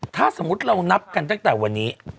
ถ้าสมมุติเรานับกันตั้งแต่วันนี้